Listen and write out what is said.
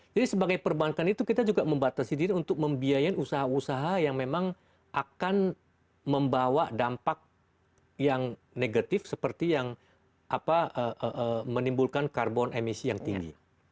jadi sebagai perbankan itu kita juga membatasi diri untuk membiayain usaha usaha yang memang akan membawa dampak yang negatif seperti yang menimbulkan karbon emisi yang tinggi